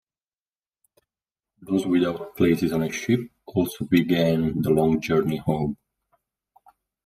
Those without places on a ship also began the long journey home.